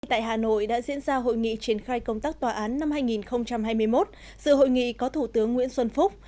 tại hà nội đã diễn ra hội nghị triển khai công tác tòa án năm hai nghìn hai mươi một sự hội nghị có thủ tướng nguyễn xuân phúc